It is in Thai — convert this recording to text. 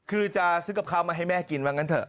คือจะซื้อกับข้าวมาให้แม่กินว่างั้นเถ